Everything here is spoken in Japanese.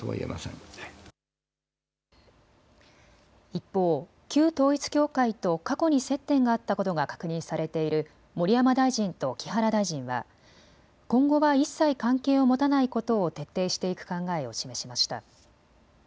一方、旧統一教会と過去に接点があったことが確認されている盛山大臣と木原大臣は今後は一切関係を持たないことを徹底していく考えを示しました。